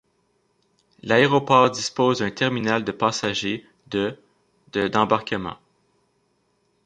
L'aéroport dispose d'un terminal de passagers de de d'embarquements.